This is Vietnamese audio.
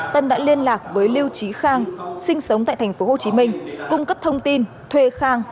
tân đã liên lạc với lưu trí khang sinh sống tại tp hcm cung cấp thông tin thuê khang